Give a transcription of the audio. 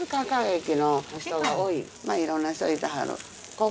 まあいろんな人いてはる。